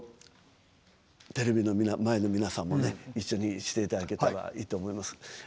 テレビの前の皆さんも一緒にしていただけたらと思います。